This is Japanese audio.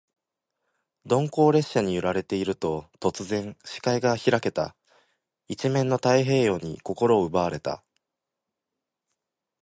鈍行列車に揺られていると、突然、視界が開けた。一面の太平洋に心を奪われた。